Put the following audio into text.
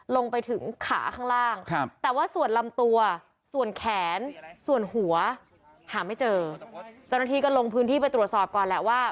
ลงไปถึงขาข้างล่างแต่ว่าส่วนลำตัวส่วนแขนส่วนหัวหาไม่เจอเจ้าหน้าที่ก็ลงพื้นที่ไปตรวจสอบก่อนแหละว่า